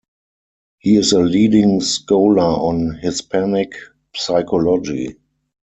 He is a leading scholar on Hispanic psychology.